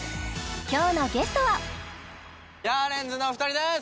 今日のゲストはヤーレンズのお二人です！